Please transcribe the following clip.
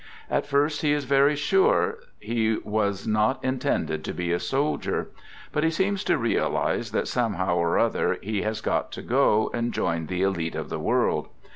At first he is very sure he was not intended to be a sol dier. But he seems to realize that somehow or other he has got to go, and join " the elite of the world."